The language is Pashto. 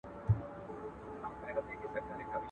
چي ټوله دنيا اوبه ونيسي، د هېلۍ تر بجلکو پوري دي.